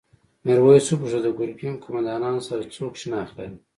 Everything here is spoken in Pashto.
میرويس وپوښتل د ګرګین قوماندانانو سره څوک شناخت لري؟